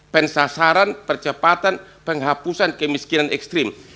pensasaran percepatan penghapusan kemiskinan ekstrim